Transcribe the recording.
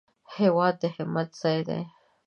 هېواد د همت ځای دی